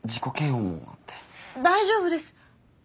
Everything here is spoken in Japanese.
大丈夫です。